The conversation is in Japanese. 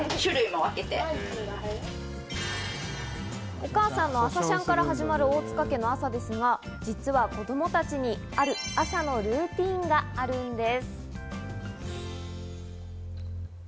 お母さんの朝シャンから始まる大塚家の朝ですが、実は子供たちに、ある朝のルーティンがあるんです。